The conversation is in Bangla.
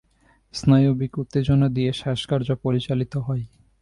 স্নায়বিক উত্তেজনা দিয়ে শ্বাসকার্য পরিচালিত হয়।